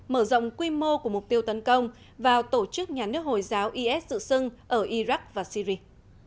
mở rộng quy mô của mục tiêu tấn công vào tổ chức nhà nước hồi giáo is dự xưng ở iraq và syri